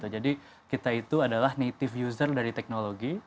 jadi kita itu adalah native user dari teknologi